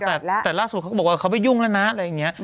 แต่ล่าสุดเขาก็บอกว่าเขาไม่ยุ่งแล้วนะอะไรอย่างนี้